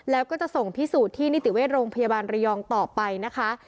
แล้วก็จะส่งพิสูจน์ที่นิติเวชโรงพยาบาลระยองต่อไปนะคะ